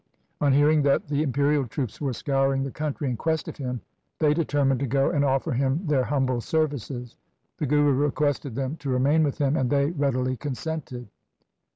On hearing that the imperial troops were scouring the country in quest of him, they determined to go and offer him their humble services. The Guru requested them to remain with him, and they readily consented.